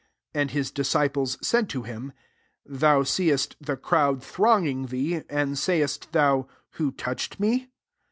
31 And his disci ples said to him, "Thousecst the crowd thronging thee ; and say est thou, < Who touched me?'